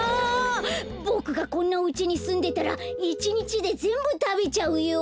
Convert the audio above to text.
ボクがこんなおうちにすんでたらいちにちでぜんぶたべちゃうよ。